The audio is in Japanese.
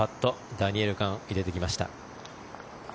ダニエル・カン入れてきました。